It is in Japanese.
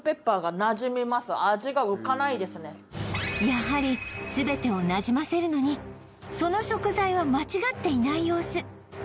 やはり全てをなじませるのにその食材は間違っていない様子